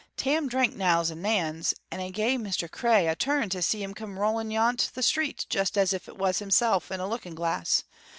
Tam drank nows and nans, and it ga'e Mr. Cray a turn to see him come rolling yont the street, just as if it was himsel' in a looking glass.